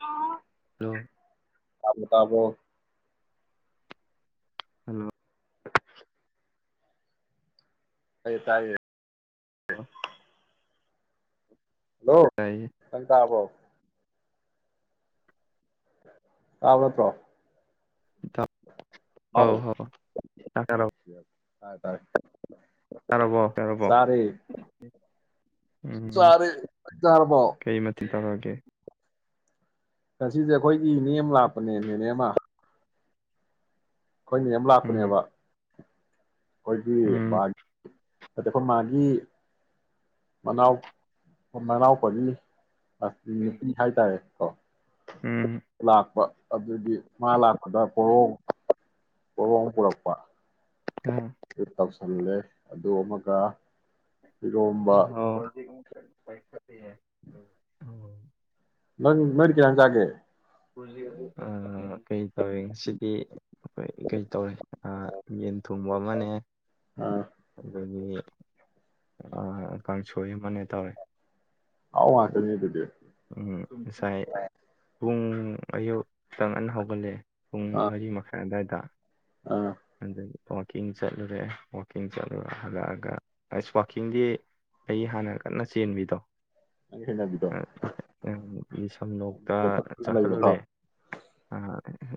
ꯑ ꯑꯣ ꯇꯥꯕꯣ ꯇꯥꯕꯣ ꯍꯜꯂꯣ ꯑꯩ ꯇꯥꯥꯏ ꯍꯜꯂꯣ ꯇꯥꯏꯌꯦ ꯆꯪ ꯇꯕꯥꯎ ꯇꯥꯕ ꯅꯠꯇꯔꫭ ꯗꯞ ꯍꯥꯎ ꯍꯥꯎ ꯇꯥꯏ ꯇꯥꯏ ꯇꯥꯔꯕꯣ ꯇꯥꯔꯕꯣ ꯎꯝ ꯆꯥꯔꯦ ꯅꯪ ꯆꯥꯔꯕꯣ ꯀꯩꯃꯊꯦꯜ ꯇꯔꯦ ꯉꯁꯤꯁꯦ ꯑꯩꯈꯣꯏꯒꯤ ꯏꯅꯦꯝ ꯑꯃ ꯂꯥꯛꯄꯅꯦ ꯅꯦꯅꯦ ꯑꯃ ꯑꯩꯈꯣꯏ ꯃꯤ ꯑꯃ ꯎꯝ ꯂꯥꯛꯄꯅꯦꯕ ꯑꯩꯈꯣꯏꯗꯤ ꯎꯝ ꯑꯗ ꯑꯩꯈꯣꯏ ꯃꯥꯒꯤ ꯃꯅꯥꯎ ꯃꯅꯥꯎ ꯄꯒꯤꯅꯤ ꯑ ꯅꯨꯄꯤ ꯍꯥꯏꯇꯥꯔꯦ ꯑꯣ ꯎꯝ ꯂꯥꯛꯄ ꯑꯗꯨꯗꯤ ꯃꯥꯂꯛ ꯄꯗ ꯄꫭꯔꫭꯝ ꯄꫭꯔꫭꯝ ꯄꯨꯔꯛꯄ ꯑꯥ ꯇ ꯁꯝꯂꯦ ꯑꯗꯨ ꯑꯃꯒ ꯏꯔꯣꯝꯕ [unintelligible] ꯅꯪ ꯅꯪꯗꯤ ꯀꯩꯏꯟꯖꯥꯡ ꯆꯥꯒꯦ ꯍꯧꯖꯤꯛ ꯀꯩ ꯇꯧꯋꯦ ꯁꯤꯗꯤ ꯑꯩꯈꯣꯏ ꯀꯩ ꯇꯧꯋꯦ ꯌꯦꯟ ꯊꯨꯝꯕ ꯑꯃꯅꯦ ꯑꯥ ꯑꯗꯒꯤ ꯑ ꯀꯥꯡꯁꯣꯏ ꯑꯃꯅꯦ ꯇꯧꯋꯦ ꯑꯍꯥꯎ ꯉꯥꯛꯇꯅꯤ ꯑꯗꯨꯗꯤ ꯎꯝ ꯉꯁꯥꯏ ꯄꯨꯡ ꯑꯌꯨ ꯈꯔ ꯉꯟ ꯍꯧꯒꯠꯂꯦ ꯄꯨꯡ ꯑꯥ ꯃꯔꯤ ꯃꯈꯥꯏ ꯑꯗꯨꯋꯥꯏꯗ ꯑꯥ [unintelligible] [unintelligible] ꯋꯥꯋꯥꯛꯀꯤꯡ ꯆꯠꯂꯨꯔꯦ ꯋꯥꯋꯥꯛꯀꯤꯡ ꯆꯠꯂꯨꯔ ꯍꯜꯂꯛꯑꯒ ꯑꯁ ꯋꯥꯋꯥꯛꯀꯤꯡꯗꯤ ꯑꯩ ꯍꯥꯟꯅ ꯀꯟꯅ ꯆꯦꯟꯕꯤꯗꯣ ꯍꯉꯒꯗꯣ ꯎ ꯏꯁ ꯁꯝꯂꯣꯛꯇ ꯂꯩꯕꯗꯣ ꯆꯥꯈꯠꯂꯨꯔꯦ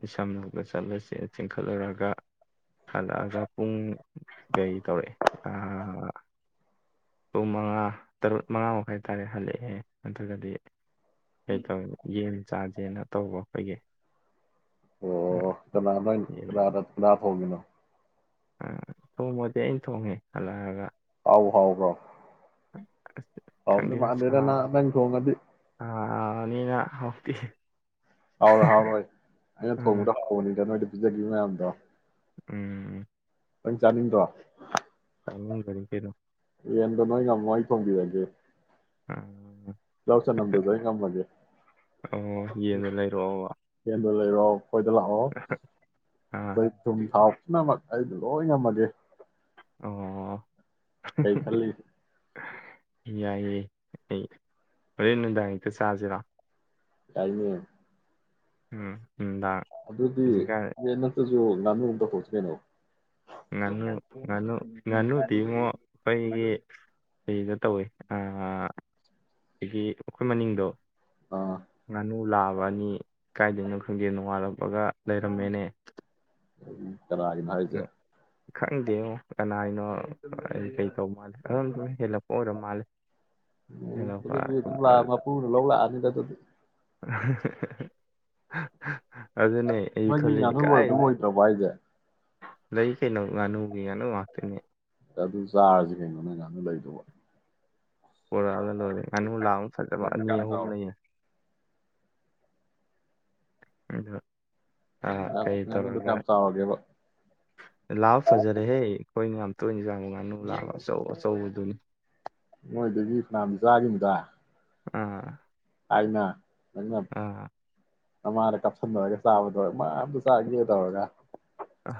ꯏꯁꯝ ꯂꯗ ꯆꯠꯂꯁꯦ ꯆꯤꯡꯈꯠꯂꯨꯔꯒ ꯍꯜꯂꯛꯑꯒ ꯄꯨꯡ ꯀꯩ ꯇꯧꯔꯛꯑꯦ ꯄꯨꯡ ꯃꯉꯥ ꯇꯔꯨꯛ ꯃꯉꯥ ꯃꯈꯥꯏ ꯇꯥꯔꯦ ꯍꯜꯂꯛꯑꯦ ꯑꯗꯨꯗꯤ ꯀꯩꯇꯧꯋꯤ ꯌꯦꯟ ꯆꯥꯥꯁꯦꯅ ꯇꯧꯕ ꯑꯩꯈꯣꯏꯒꯤ ꯑ, ꯑꯣ ꯀꯅꯥꯅꯥꯅꯥ ꯐꯒꯦꯅꯣ ꯎ ꯊꯣꯡꯃꯗꯤ ꯑꯩꯅ ꯊꯣꯡꯉꯦ ꯍꯜꯂꯛꯑꯒ ꯍꯥꯎ ꯍꯥꯎ ꯍꯥꯎ ꯑꯁ ꯑꯥꯎ ꯈꯪꯗꯦꯗ ꯁꯥ ꯃꯥꯅꯦꯔꯅꯦꯡ ꯀꯣꯡꯒꯗꯤ ꯑꯅꯤꯅ ꯍꯧꯛꯇꯤ ꯍꯥꯎꯔꯣꯏ ꯍꯥꯎꯔꯣꯏ ꯑꯩꯅ ꯑ, ꯊꯣꯡꯉꯗ ꯐꯣꯡꯅꯤꯡꯗ ꯅꯣꯏꯗꯤ ꯑꯗꯨꯗꯒꯤ ꯃꯌꯥꯝꯗꯣ ꯎꯝ ꯄ ꯆꯥꯂ ꯇ ꯆꯥꯡ ꯀꯔꯤ ꯀꯦꯩꯅꯣ ꯑꯦꯟ ꯅꯣꯣꯌꯅ ꯅ ꯉꯣꯣꯌ ꯇꯣꯡꯗ ꯀꯦ ꯂꯧꯁ ꯅꯝꯗꯗ ꯉꯃꯒꯤ ꯑꯣ ꯌꯦꯟꯗꯣ ꯂꯩꯔꯛꯑꯣꯕ ꯌꯦ ꯑꯣꯏꯔꯥꯎ ꯑꯩꯈꯣꯏꯗ ꯂꯥꯛꯑꯣ ꯑꯥ ꯑꯩꯣꯏ ꯊꯨꯝ ꯊꯥꯎ ꯄꯨꯝꯅꯃꯛ ꯑꯩꯗꯣ ꯂꯣꯏ ꯉꯝꯃꯒꯦ ꯑꯣ ꯀꯩ ꯈꯜ ꯌꯥꯏꯌꯦꯦ ꯑꯩ ꯍꯣꯔꯦꯟ ꯅꯨꯡꯗꯥꯡ ꯍꯛꯇ ꯆꯥꯁꯤꯔꯣ ꯇꯏꯅꯦ ꯎꯝ ꯅꯨꯡꯗꯥꯡ ꯑꯗꯨꯗꯤ ꯍꯧꯖꯤꯛꯀꯥꯟ ꯅꯠꯇ ꯂꯅꯨꯝꯇ ꯄꯣꯊꯂꯅꯣ ꯉꯥꯅꯨ ꯉꯥꯅꯨ ꯀꯗ ꯇꯧꯋꯤ ꯁꯤꯗꯒꯤ ꯑꯩꯈꯣꯏ ꯃꯅꯤꯡꯗꯣ ꯑꯥ ꯃꯨ ꯂꯥꯕ ꯑꯅꯤ ꯀꯥꯏꯗꯣꯏꯅꯣ ꯈꯪꯗꯦ ꯉꯥꯜꯛꯄꯒ ꯂꯩꯔꯝꯃꯦꯅꯦ ꯀꯅꯥꯒꯤꯅ ꯍꯥꯏꯁꯦ ꯈꯪꯗꯦꯉ ꯀꯅꯥꯅꯣ ꯀꯩꯗꯧ ꯃꯥꯜꯂꯦ ꯑꯗꯝ ꯁꯨꯝ ꯍꯦꯜꯂꯛꯄ ꯑꯣꯏꯔ ꯃꯥꯜꯂꯦ ꯍꯦꯜꯂꯛꯄ ꯎꯄ ꯂꯧꯧꯕ ꯑ ꯇ [unintelligible] ꯑꯩ ꯃꯥꯒꯤ ꯈꯜꯂꯤꯅꯤ ꯉꯥꯅꯨ ꯑꯣꯏꯔ ꯀꯥꯏ ꯑꯗꯨꯝ ꯑꯣꯏꯗ꯭ꯔꯕ ꯍꯥꯏꯁꯦ ꯂꯩ ꯀꯩꯅꯣ ꯉꯥꯅꯨꯒꯤ ꯌꯥꯅꯨ ꯉꯥꯛꯇꯅꯦ ꯑꯗꯨ ꯆꯥꯔꯁꯤ ꯀꯩꯅꯣ ꯅꯪ ꯉꯥꯟꯗ ꯂꯩꯗꯧꯕ ꯄꯨꯔꯛꯑꯒ ꯂꯣꯏꯔꯦ ꯉꯥꯅꯨ ꯂꯥꯡ ꯐꯠꯖꯕ ꯉꯥꯅꯨ ꯑꯅꯤ ꯀꯌꯥꯝ ꯑꯍꯨꯝ ꯆꯥꯎꯔ ꯂꯩꯌꯦ ꯑꯗ ꯀꯩ ꯉꯥꯅꯨꯗꯣ ꯇꯧꯔꯒ ꯀꯌꯥꯝ ꯆꯥꯎꯔꯒꯦꯕ ꯂꯥꯛꯑꯣ ꯐꯖꯔꯦꯍꯦ ꯑꯩꯈꯣꯏꯅ ꯌꯥꯝ ꯇꯣꯏꯅ ꯆꯥꯡꯕ ꯉꯥꯅꯨ ꯂꯥꯛꯂ ꯑꯆꯧ ꯑꯆꯧꯕꯗꯨꯅꯤ ꯃꯣꯏꯗꯒꯤ ꯀꯅꯥꯝ ꯆꯥꯈꯤꯕꯗꯨꯗ ꯑ ꯍꯥꯏꯥꯏꯅ ꯑ ꯅꯃꯥꯗ ꯀꯞꯁꯟꯅꯔꯒ ꯆꯥꯕꯗꯣ ꯃꯥ ꯑꯝꯇ ꯆꯥꯒꯦ ꯇꯧꯔꯒ ꯑ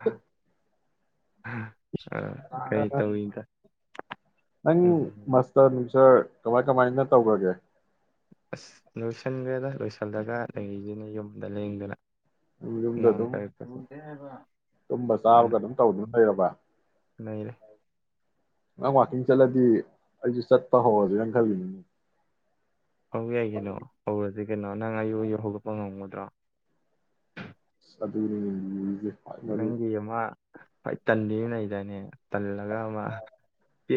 ꯑ ꯑ ꯑ ꯑ ꯅꯪ ꯎꯝ ꯃꯁꯇꯔ ꯅꯨꯡꯁꯔ ꯀꯃꯥꯏ ꯀꯃꯥꯏꯅ ꯇꯧꯈꯒꯦ ꯑꯁ ꯂꯣꯏꯁꯤꯟꯒ꯭ꯔꯦꯗ ꯂꯣꯏꯁꯤꯜꯂꯒ ꯅꯒꯤꯁꯤꯅ ꯌꯨꯝꯗ ꯂꯦꯡꯗꯅ ꯌꯨꯝ ꯌꯨꯝꯗ ꯑꯉꯥꯡ ꯑꯗꯨꯝ ꯈꯔ ꯇꯨꯝꯕ ꯑꯥ ꯆꯥꯕꯒ ꯑꯗꯨꯝ ꯇꯧꯗꯨꯅ ꯂꯩꯔꯕ ꯂꯩꯔꯦ ꯅꯪ ꯋꯥꯋꯥꯛꯀꯤꯡ ꯆꯠꯂꯗꯤ ꯑꯩꯁꯨ ꯆꯠꯄ ꯍꯧꯔꯁꯤꯒ ꯈꯜꯂꯤꯒꯤꯅꯤ ꯑꯧ ꯌꯥꯏ ꯀꯩꯅꯣ ꯍꯧꯔꯁꯤ ꯀꯩꯅꯣ ꯅꯪ ꯑꯩꯌꯨ ꯌꯧ ꯍꯧꯒꯠꯄ ꯉꯝꯒꯗ꯭ꯔꯣ ꯑꯁ ꯑꯗꯨꯅꯤꯅꯦ ꯂꯨꯔꯤꯁꯦ ꯈ꯭ꯋꯥꯏ ꯃꯔꯨ ꯅꯪꯒꯤ ꯑꯃ ꯑꯩ ꯇꯅꯗꯅꯦ ꯇꯜꯂ ꯍꯒꯥ ꯑꯃ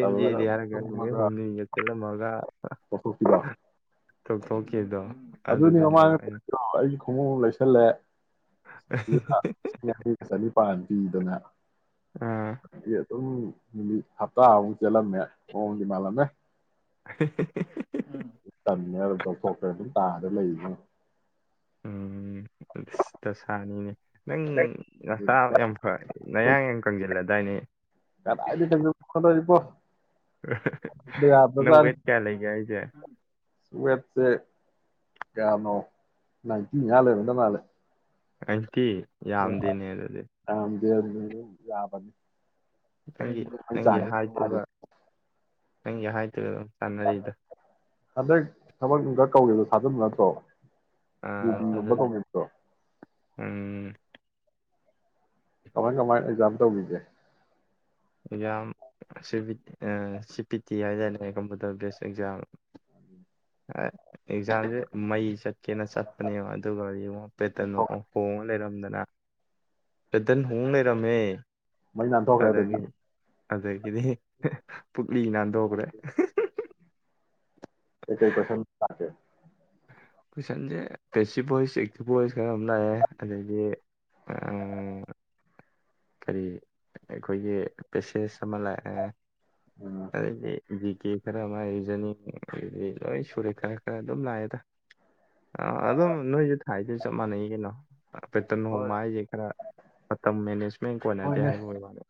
ꯇꯧꯔꯒ ꯌꯥꯔ ꯀꯔ ꯅꯨ ꯇꯨꯝꯃꯒ ꯍꯨꯝꯝ ꯆꯂ ꯃꯥ ꯑ ꯇꯧꯊꯣꯛꯄꯤꯗꯣ ꯇꯊꯣꯛꯈꯤꯕꯗꯣ ꯑꯗꯨꯗꯅꯦꯕ ꯑꯩꯅ ꯈꯣꯡꯃꯎ ꯑꯃ ꯂꯩꯁꯜꯂꯦ [inaudible] ꯄꯥꯟꯇꯤꯗꯅ ꯑꯗꯨꯝ ꯅꯨꯃꯤꯠ ꯍꯞꯇꯥꯃꯨꯛ ꯆꯦꯜꯠꯂꯝꯃꯦ ꯃꯑꯣꯡꯗꯤ ꯃꯥꯜꯂꯝꯃꯦ [inaudible] ꯊꯣꯛꯄ ꯑꯗꯨꯝ ꯇꯥꯔ ꯂꯩꯗꯅ ꯎꯝ ꯁꯤꯇ ꯗꯁꯥꯅꯤꯅꯦ ꯅꯪ ꯅꯁꯥ ꯌꯥꯝ ꯐꯔꯦ ꯅꯌꯥꯡ ꯌꯥꯝ ꯀꯪꯖꯤꯂꯦ ꯗꯥꯥꯏꯅꯤ ꯀꯗꯥꯏꯗꯤ ꯅꯩꯁꯨ ꯍ‌ꯣꯠꯅꯔꯤꯕꯣ ꯅꯪ ꯋꯦꯠ ꯀꯌꯥ ꯂꯩꯒꯦ ꯍꯥꯏꯁꯦ [unintelligible] ꯁꯦ ꯀꯌꯥꯅꯣ ꯅꯥꯏ꯭ꯟꯇꯤ ꯃꯌꯥ ꯂꯩꯔꯝꯒꯗꯕ ꯃꯟꯂꯦ [inaudible] ꯀꯤ ꯌꯥꯝꯗ‌ꯦꯅꯦ ꯑꯗꯨꯗꯤ [inaudible] ꯌꯥꯕꯅꯤ ꯅꯪꯒꯤ ꯅꯪꯒꯤ ꯆꯥꯡ ꯍꯥꯏꯗꯨꯒ ꯅꯪꯒꯤ ꯍꯥꯏꯠꯇꯨꯒ ꯑꯗꯨꯝ ꯆꯥꯟꯅꯔꯤꯗ ꯍꯟꯗꯛ ꯊꯕꯛ ꯅꯨꯡꯕꯛ ꯀꯧꯒꯤꯕ ꯊꯖꯤꯟꯕ ꯅꯠꯇ꯭ꯔꯣ ꯑꯥ [inaudible] ꯒꯨꯝꯕ ꯊꯥꯖꯜꯂꯦ ꯀꯧꯒꯤꯕꯗꯣ ꯎꯝ ꯀꯃꯥꯏ ꯀꯃꯥꯏꯅ ꯑꯦꯛꯖꯥꯝ ꯇꯧꯒꯤꯒꯦ exam C B C P T ꯍꯥꯏꯗꯥꯏꯅꯦ ꯀꯝꯄ꯭ꯌꯨꯇꯔ ꯕꯦꯁ ꯑꯦꯛꯖꯥꯝ ꯑꯦꯛꯖꯥꯝꯁꯦ ꯃꯩ ꯆꯠ ꯀꯦꯅ ꯆꯠꯄꯅꯦꯕ ꯑꯗꯨꯒ ꯌꯦꯡꯉꯣ ꯄꯦꯇ꯭ꯔꯟꯗꯣ ꯍꯣꯡꯉ ꯂꯩꯔꯝꯗꯅ [inaudible] ꯍꯣꯡ ꯂꯩꯔꯝꯃꯦ ꯃꯩ ꯅꯥꯟꯊꯣꯛꯈ꯭ꯔꯦ ꯑꯗꯒꯤ ꯑꯗꯒꯤꯗꯤ ꯂꯤ ꯅꯥꯟꯗꯣꯛꯈ꯭ꯔꯦ ꯀꯩ ꯀꯩ ꯀꯣꯏꯁꯟ ꯂꯥꯛꯀꯦ ꯀꯣꯏꯁꯟꯁꯦ ꯄꯦꯁꯤꯞ ꯚꯣꯏꯁ ꯑꯦꯛꯇꯤꯚ ꯚꯣꯏꯁ ꯈꯔ ꯑꯃ ꯂꯥꯛꯑꯦ ꯑꯗꯒꯤ ꯀꯔꯤ ꯑꯩꯈꯣꯏꯒꯤ ꯄꯦꯁꯦꯖ ꯑꯃ ꯂꯥꯛꯑꯦ ꯎꯝ ꯑꯗꯩꯗꯤ ꯖꯤ ꯀꯦ ꯈꯔ ꯑꯃ ꯔꯤꯖꯅꯤꯡ ꯑꯗꯩꯗꯤ ꯂꯣꯏ ꯁꯨꯔꯦ ꯈꯔ ꯈꯔ ꯑꯗꯨꯝ ꯂꯥꯛꯑꯦꯗ ꯑꯗꯨꯝ ꯅꯣꯏꯁꯨ ꯊꯥꯏꯗꯨ ꯆꯞ ꯃꯥꯟꯅꯩ ꯀꯩꯅꯣ ꯄꯦꯇ꯭ꯔꯟ ꯍꯣꯏ ꯍꯣꯡꯕ ꯍꯥꯏꯁꯦ ꯈꯔ ꯃꯇꯝ ꯃꯦꯅꯦꯖ ꯀꯣꯟꯅꯗꯦ ꯍꯣꯏꯅꯦ ꯍꯥꯏꯕꯩ ꯋꯥꯅꯤ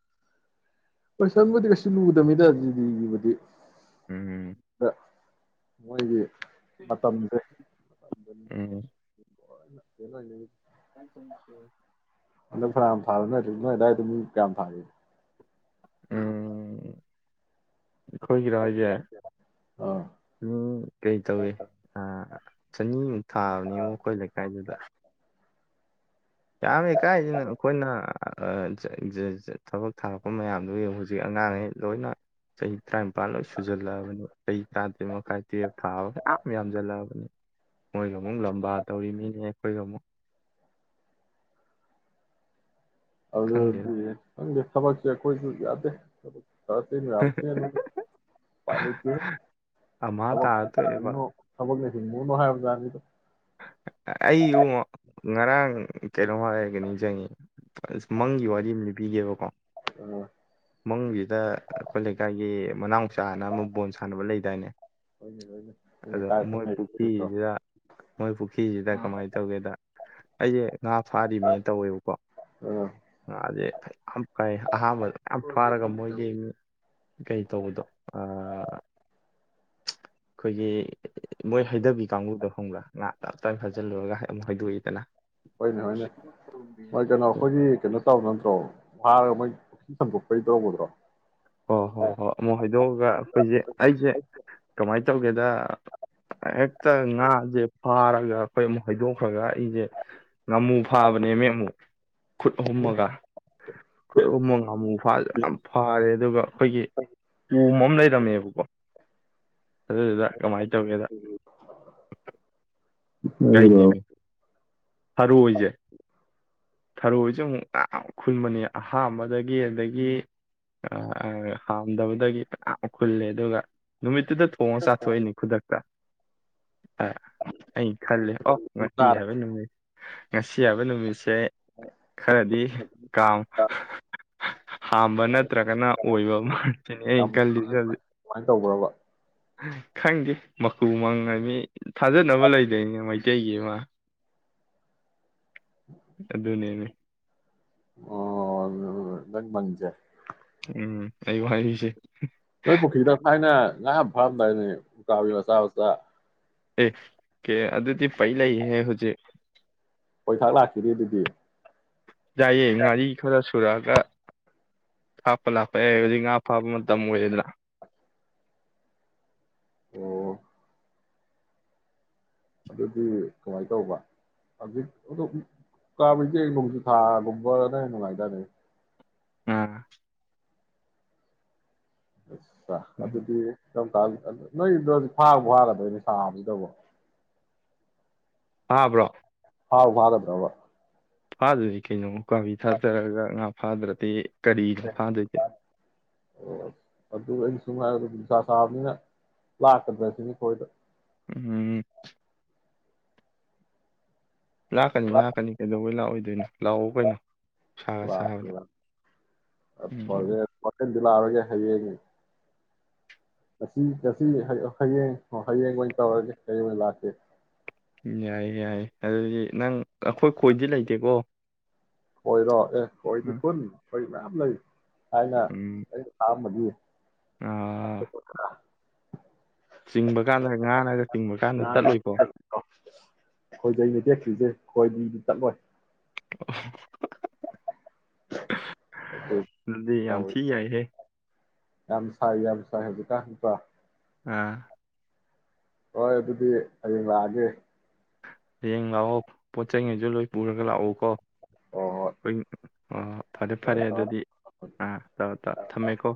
ꯀꯣꯏꯁꯟꯕꯨꯗꯤ ꯀꯩꯁꯨ ꯂꯨꯗꯕꯅꯤꯗ ꯖꯤꯗꯤꯒꯤꯕꯨꯗꯤ ꯎꯝꯝ ꯃ‌ꯣꯏꯒꯤ ꯃꯇꯝꯁꯦ ꯎꯝ [inaudible] [inaudible] ꯑꯗꯨꯝ ꯐꯅꯌꯥꯝ ꯐꯥꯔ ꯅꯣꯏ ꯗꯥꯏꯗꯣ ꯃꯤ ꯀꯌꯥꯝ ꯊꯥꯒꯦ ꯎꯝ ꯑꯩꯈꯣꯏꯒꯤꯔꯣ ꯍꯥꯏꯁꯦ ꯑꯥ ꯃꯤ ꯀꯩ ꯇꯧꯏ ꯑ ꯆꯅꯤꯃꯨꯛ ꯊꯥꯕꯅꯦꯉꯣ ꯑꯩꯈꯣꯏ ꯂꯩꯀꯥꯏꯗꯨꯗ ꯌꯥꯝꯃꯦ ꯀꯥꯏꯁꯤꯅ ꯑꯩꯈꯣꯏꯅ ꯊꯕꯛ ꯊꯥꯔꯛꯄ ꯃꯌꯥꯝꯗꯨꯒꯤ ꯍꯧꯖꯤꯛ ꯑꯉꯥꯡꯈꯩ ꯂꯣꯏꯅ ꯆꯍꯤ ꯇꯔꯥꯅꯤꯄꯥꯜ ꯂꯣꯏ ꯁꯨꯖꯜꯂꯛꯑꯕꯅꯤ ꯆꯍꯤ ꯇꯔꯥ ꯇꯔꯦꯠ ꯃꯈꯥꯏ ꯇꯦ ꯊꯥꯕ ꯃ ꯌꯥꯝꯖꯜꯂꯛꯑꯕꯅꯤ ꯃꯣꯏꯒ ꯏꯨꯡ ꯂꯝꯕꯥ ꯇꯧꯔꯤ ꯃꯤꯅꯦ ꯍꯔꯃꯨ ꯍꯗ ꯈꯪꯗꯦꯗ ꯑꯗꯨꯗꯤ ꯍꯪꯦ ꯊꯕꯛꯁꯦ ꯑꯩꯈꯣꯏꯁꯨ ꯌꯥꯗꯦ ꯊꯕꯛ ꯌꯥꯁꯤ ꯄꯥꯏ ꯊꯛ ꯑꯃ ꯇꯥꯔ ꯇꯣꯛꯑꯦꯕ ꯃꯕꯨꯅꯅꯨꯡꯍꯕꯖꯥꯔꯒꯤꯗ ꯑꯩꯨ ꯉꯔꯥꯡ ꯀꯩꯅꯣꯝ ꯍꯥꯏꯒꯅꯤ ꯆꯪ ꯑꯁ ꯃꯪꯒꯤ ꯋꯥꯔꯤ ꯑꯃ ꯄꯤꯒꯦꯕꯀꯣ ꯎꯝ ꯃꯪꯒꯤ ꯑ ꯗ ꯑꯩꯈꯣꯏ ꯂꯩꯀꯥꯏꯒꯤ ꯃꯅꯥꯥꯡ ꯆꯥꯅꯅꯕ ꯕꯣꯜ ꯁꯥꯟꯅꯕ ꯂꯩꯗꯥꯏꯅꯦ ꯍꯣꯏꯅꯦ ꯍꯣꯏꯅꯦ ꯅꯣꯏ ꯑꯗ ꯀꯥꯏ ꯃꯣꯏ ꯆꯠꯅꯔꯤꯒꯦꯗꯣ ꯄꯨꯈ꯭ꯔꯤꯁꯤꯗ ꯃꯣꯏ ꯄꯨꯈ꯭ꯔꯤꯁꯤꯗ ꯀꯃꯥꯏꯅ ꯇꯧꯒꯦꯗ ꯑꯩꯁꯦ ꯉꯥ ꯐꯥꯔꯤꯅꯦꯅ ꯇꯧꯋꯦꯕꯀꯣ ꯑꯥ ꯉꯥꯁꯦ ꯀꯥꯏ ꯑꯍ ꯑ ꯐꯥꯔꯒ ꯃ ꯀ ꯀꯩ ꯇꯧꯕꯗꯣ ꯑ ꯑꯩꯈꯣꯏꯒꯤ ꯃꯣꯏ ꯍꯩꯊꯕꯤ ꯀꯥꯡꯕꯨꯗ ꯐꯪꯕ꯭ꯔꯥ ꯉ ꯇꯞ ꯇꯥꯅ ꯐꯥꯖꯤꯜꯂꯨꯔꯒ ꯑꯃꯨꯛ ꯍꯩꯗꯣꯛꯏꯗꯅ ꯍꯣꯏꯅꯦ ꯍꯣꯏꯅꯦ ꯃꯣꯏ ꯀꯩꯅꯣ ꯑꯗꯣ ꯑꯩꯈꯣꯏꯒꯤ ꯀꯩꯅꯣ ꯇꯧ ꯅꯠꯇ꯭ꯔꯣ ꯐꯥꯔꯒ ꯃꯣꯏ ꯁꯟꯗꯣꯛꯄꯔꯤꯗꯒꯗ꯭ꯔꯣ ꯑꯣ ꯍꯣ ꯍꯣꯏ ꯑꯃꯨꯛ ꯍꯥꯏꯗꯣꯛꯑꯒ ꯑꯩꯈꯣꯏꯁꯦ ꯑꯩꯁꯦ ꯀꯃꯥꯏꯅ ꯇꯧ ꯇꯧꯒꯦꯗ ꯍꯦꯛꯇ ꯉꯥꯁꯦ ꯐꯥꯔꯒ ꯑꯩꯈꯣꯏ ꯑꯃꯨꯛ ꯍꯩꯗꯣꯛꯈ꯭ꯔꯒ ꯑꯩꯁꯦ ꯉꯥꯃꯨ ꯐꯥꯕꯅꯦ ꯃ ꯑꯃꯨꯛ ꯈꯨꯠ ꯍꯣꯝꯃꯒ ꯈꯨꯠ ꯍꯣꯝꯃꯒ ꯑꯃꯨꯛ ꯐꯥ ꯅꯣꯏ ꯌꯥꯝ ꯐꯥꯔꯦ ꯑꯗꯨꯒ ꯑꯩꯈꯣꯏꯒꯤ ꯎ ꯃꯝ ꯂꯩꯗꯝꯃꯤꯕꯨꯣ ꯑꯗꯨꯗꯨꯗ ꯀꯃꯥꯏꯅ ꯇꯧꯒꯦꯗ ꯀꯩ ꯀꯩꯗꯧꯔꯕ ꯅꯃꯤ ꯁꯔꯨ ꯑꯣꯏꯖꯩ ꯊꯔꯣꯏꯁꯦ ꯑꯃꯨꯛ ꯃꯌꯥꯝ ꯈꯨꯟꯕꯅꯤ ꯑꯍꯥꯝꯕꯗꯒꯤ ꯑꯗꯒꯤ ꯍꯥꯥꯝꯗꯕꯗꯒꯤ ꯃꯌꯥꯝ ꯈꯨꯜꯂꯦ ꯑꯗꯨꯒ ꯅꯨꯃꯤꯠꯇꯨꯗ ꯊꯣꯡꯉꯒ ꯆꯥꯊꯣꯛꯏꯅꯤ ꯈꯨꯗꯛꯇ ꯑꯩ ꯈꯜꯜꯂꯤꯦ ꯑꯣ ꯁꯨꯝ ꯉꯇꯤ ꯇꯥꯔꯦ ꯍꯥꯏꯕ ꯅꯨꯃꯤꯃꯤꯠ ꯉꯁꯤ ꯌꯥꯕ ꯅꯨꯃꯤꯁꯦ ꯈꯔꯗꯤ ꯀꯝ ꯍꯥꯝꯕ ꯅꯠꯇ꯭ꯔꯒꯅ ꯑꯣꯏꯕ ꯃꯥꯇꯅꯦ ꯑ ꯌꯥꯝ ꯈꯜꯂꯤ ꯀꯃꯥꯏꯅ ꯇꯧꯕ꯭ꯔꯕ ꯈꯪꯗꯦ ꯃꯀꯨ ꯃꯪꯉ ꯃꯤ ꯊꯥꯖꯅꯕ ꯂꯩꯗꯣꯏꯅꯦ ꯃꯩꯇꯩꯒꯤ ꯑꯃ ꯎꯝ ꯑꯗꯨ ꯑꯗꯨꯅꯦꯅꯦ ꯑꯣ ꯂꯪ ꯃꯪꯖꯦ ꯎꯝ ꯑꯩ ꯋꯥꯔꯤꯁꯦ ꯅꯣꯏ ꯄꯨꯈ꯭ꯔꯤꯗ ꯊꯥꯏꯅ ꯉꯥ ꯐꯥꯔꯝꯗꯥꯏꯅꯦ ꯎꯀꯥꯕꯤ ꯃꯆꯥ ꯃꯆꯥ ꯑꯦ ꯀꯦ ꯑꯗꯨꯗꯤ ꯄꯩꯂ ꯍꯦ ꯍꯧꯖꯤꯛ ꯄꯣꯏꯊꯥꯛ ꯂꯥꯛꯈꯤꯗꯦ ꯑꯗꯨꯗꯤ ꯌꯥꯏꯑꯦ ꯉꯥꯔꯤ ꯈꯔ ꯁꯨꯔꯛꯑꯒ ꯍꯥꯞꯄ ꯂꯥꯛꯄ ꯌꯥ ꯍꯧꯖꯤꯛ ꯉꯥ ꯐꯥꯕ ꯃꯇꯝ ꯑꯣꯏꯌꯦꯗꯅ ꯑꯣ ꯑꯗꯨꯗꯤ ꯀꯃꯥꯏꯅ ꯇꯧꯕ ꯍꯧꯖꯤꯛ ꯑ ꯀꯥꯕꯩꯁꯦ ꯅꯣꯡꯖꯨ ꯊꯥꯒꯨꯝꯕꯅ ꯅꯨꯡꯉꯥꯏꯗꯥꯅꯦ ꯑꯥ ꯑꯥ ꯎꯝ ꯑꯗꯨꯗꯤ ꯅꯣꯏꯗꯣ ꯍꯧꯖꯤꯛ ꯐꯥꯔ ꯐꯥꯔꯗꯣꯏꯅꯦ ꯁꯥꯕꯗꯨꯗꯧꯕ ꯑꯕ꯭ꯔꯣ ꯍꯥꯎ ꯋꯥꯔꯕ꯭ꯔꯕ ꯐꯥꯗꯨꯗꯤ ꯀꯩꯅꯣ ꯀꯥꯕꯤ ꯊꯥꯖꯔꯒ ꯉꯥ ꯐꯥꯗ꯭ꯔꯗꯤ ꯀꯔꯤꯅꯣ ꯐꯥꯗꯣꯏꯁꯦ ꯑꯣ ꯑꯗꯨ ꯁꯥ ꯁꯥꯕꯅꯤꯅ ꯂꯥꯛꯀꯗ꯭ꯔꯁꯤꯅꯤꯣꯏꯗ ꯎꯝ ꯂꯥꯛꯀꯅꯤ ꯂꯥꯛꯀꯅꯤ ꯀꯩꯗꯧꯕꯩ ꯂꯥꯛꯑꯣꯏ ꯑꯗꯨꯏꯅꯣ ꯂꯥꯛꯑꯣ ꯀꯩꯅꯣ ꯁꯥꯒ ꯁꯥꯕꯗ ꯂ ꯐ ꯎꯝ ꯂꯥꯛꯑꯒꯦ ꯍꯥꯏꯌꯦꯡꯉ ꯉꯁꯤ ꯉꯁꯤ ꯍꯌꯦꯡ ꯍꯌꯦꯡ ꯑꯣꯏꯅ ꯇꯧꯔꯒꯦ ꯀꯩ ꯂꯥꯛꯀꯦ ꯌꯥꯏ ꯌꯥꯏ ꯑꯗꯨꯗꯤ ꯅꯪ ꯑꯩꯈꯣꯏ ꯈꯣꯏꯗꯤ ꯂꯩꯇꯦꯀꯣ ꯍꯣꯏꯔꯣ ꯑꯦ ꯀꯣꯏꯗꯤ ꯎꯝ ꯐꯣꯟꯅꯤ ꯑꯩ ꯃ ꯌꯥꯝ ꯅ ꯀꯥꯏꯅ ꯎꯝ ꯀ ꯊ ꯑꯥ ꯆꯤꯡꯕ ꯀꯥꯟꯗ ꯉꯥꯅꯒ ꯆꯤꯡꯕ ꯀꯥꯟꯗ ꯇꯠꯂꯨꯀꯣ ꯍꯣꯏꯗꯤꯗꯤ ꯆꯠꯂꯣꯏ ꯑꯣ ꯗꯤ ꯌꯥꯝ ꯊꯤ ꯌꯥꯏꯍꯦ ꯌꯥꯝꯁꯥꯏ ꯌꯥꯝꯁꯥꯏ ꯑꯗꯨ ꯀꯠꯇ ꯑꯥ ꯍꯣꯏ ꯑꯗꯨꯗꯤ ꯍꯌꯦꯡ ꯂꯥꯛꯑꯒꯦ ꯍꯌꯦꯡ ꯂꯥꯛꯑꯣ ꯄꯣꯠꯆꯉꯩꯁꯨ ꯂꯣꯏ ꯄꯨꯔꯒ ꯂꯥꯛꯎꯀꯣ ꯍꯣꯏ ꯍꯣꯏ [unintelligible] ꯑꯥ ꯐꯔꯦ ꯍꯣꯏ ꯐꯔꯦ ꯇꯧꯔꯣ ꯑꯗꯨꯗꯤ ꯑꯥ ꯇꯧꯔꯣ ꯇꯧꯔꯣ ꯊꯝꯃꯦꯀꯣ